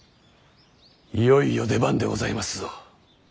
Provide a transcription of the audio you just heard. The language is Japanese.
いよいよ出番でございますぞ。